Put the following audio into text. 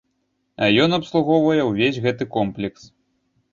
А ён абслугоўвае ўвесь гэты комплекс.